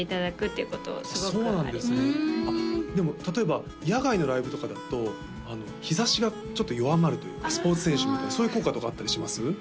例えば野外のライブとかだと日ざしがちょっと弱まるというかスポーツ選手みたいなそういう効果あったりします？